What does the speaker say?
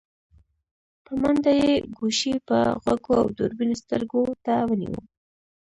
په منډه يې ګوشي په غوږو او دوربين سترګو ته ونيو.